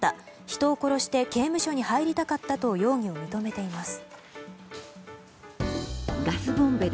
人を殺して刑務所に入りたかったと容疑を認めています。